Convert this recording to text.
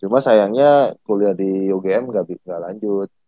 cuma sayangnya kuliah di ugm nggak lanjut